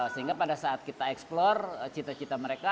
sehingga pada saat kita eksplor cita cita mereka